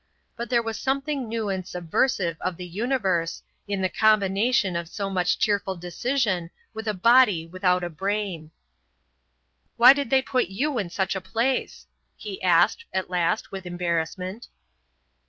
But there was something new and subversive of the universe in the combination of so much cheerful decision with a body without a brain. "Why did they put you in such a place?" he asked at last with embarrassment.